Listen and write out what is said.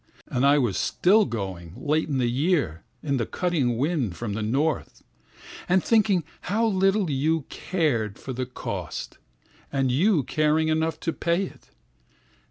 And I was still going, late in the year, in the cutting wind from the north, And thinking how little you cared for the cost …and you caring enough to pay it.